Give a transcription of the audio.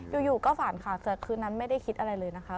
อยู่ก็ฝันค่ะแต่คืนนั้นไม่ได้คิดอะไรเลยนะคะ